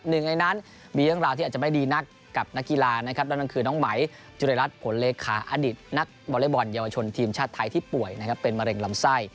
หนึ่งในนั้นมีหลายครั้งละที่อาจจะไม่ดีนักกับนักกีฬานะครับและนั่นคือน้องไหมจูเลลทพลเรศคาอดิตนักบอเร้ยบอร์นเยาวชนทีมชาติไทยที่ป่วยนะครับเป็นมะเร่งลำไส้